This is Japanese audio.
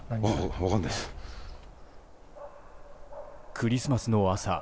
クリスマスの朝